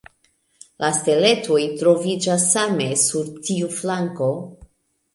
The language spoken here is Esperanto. La setlejoj troviĝas same sur tiu flanko.